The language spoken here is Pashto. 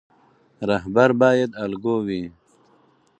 رهبر باید الګو وي